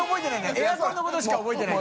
エアコンのことしか覚えてない。